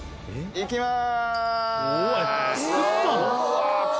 行きます。